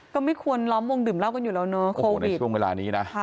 ก็ไม่ควรล้อมวงดื่มเหล้ากันอยู่แล้วเนอะคงในช่วงเวลานี้นะ